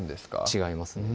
違いますね